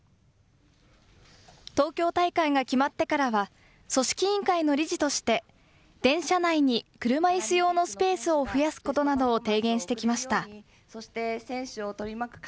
東京大会が決まってからは、組織委員会の理事として、電車内に車いす用のスペースを増やすことなどを提言してきました。